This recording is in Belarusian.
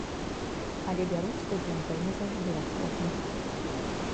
Але бяруць студэнтаў не заўжды ахвотна.